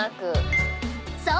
［そう！